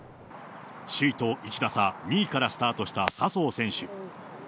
首位と１打差、２位からスタートした笹生選手。